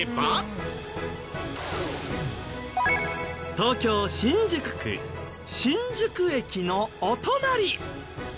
東京新宿区新宿駅のお隣。